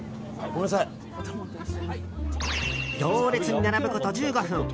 行列に並ぶこと１５分。